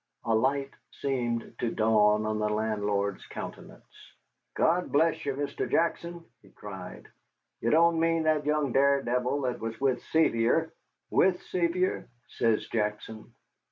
A light seemed to dawn on the landlord's countenance. "God bless ye, Mr. Jackson!" he cried, "ye don't mean that young daredevil that was with Sevier?" "With Sevier?" says Jackson.